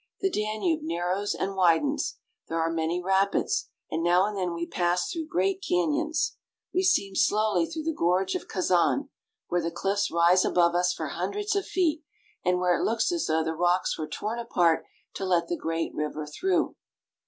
The Danube narrows and widens. There are many rapids, and now and then we pass through great canyons. We steam slowly through the gorge of Kazan, where the cliffs rise above us for hundreds of feet, and where it looks as though the rocks were torn apart to let the great river through.